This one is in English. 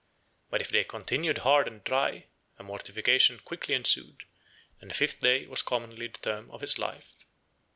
But if they continued hard and dry, a mortification quickly ensued, and the fifth day was commonly the term of his life.